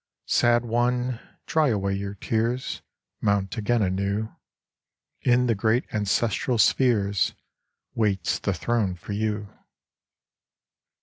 Sad one, dry away your tears : Mount again anew : In the great ancestral spheres Waits the throne for you.